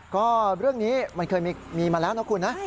ก็เรื่องนี้มันเคยมีมาแล้วนะคุณนะ